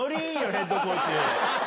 ヘッドコーチ。